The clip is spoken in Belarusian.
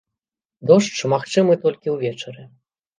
Дождж магчымы толькі ўвечары.